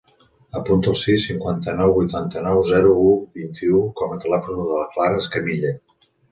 Apunta el sis, cinquanta-nou, vuitanta-nou, zero, u, vint-i-u com a telèfon de la Clara Escamilla.